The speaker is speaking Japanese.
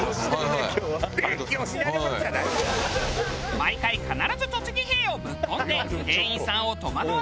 毎回必ず栃木へぇをぶっ込んで店員さんを戸惑わせるＵ字工事。